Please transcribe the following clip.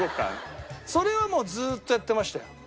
それはもうずっとやってましたよ。